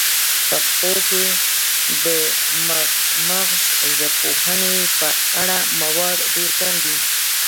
په پښتو کې د مغزژبپوهنې په اړه مواد ډیر کم دي